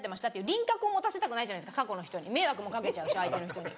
輪郭を持たせたくない過去の人に迷惑もかけちゃうし相手の人に。